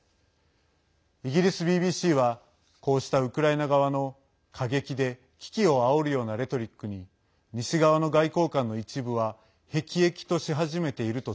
イギリスＢＢＣはこうしたウクライナ側の過激で、危機をあおるようなレトリックに西側の外交官の一部はへきえきとし始めていると